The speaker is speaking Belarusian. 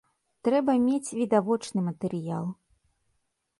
Трэба мець відавочны матэрыял.